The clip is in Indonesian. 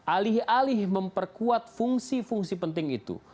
alih alih memperkuat fungsi fungsi penting itu